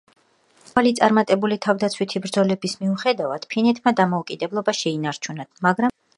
მრავალი წარმატებული თავდაცვითი ბრძოლების მიუხედავად, ფინეთმა დამოუკიდებლობა შეინარჩუნა, მაგრამ ტერიტორიები დაკარგა.